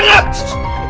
tangkap dia pak